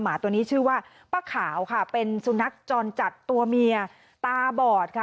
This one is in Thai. หมาตัวนี้ชื่อว่าป้าขาวค่ะเป็นสุนัขจรจัดตัวเมียตาบอดค่ะ